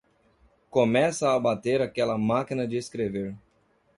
Comece a bater aquela máquina de escrever.